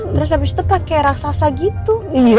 terus habis itu pakai raksasa gitu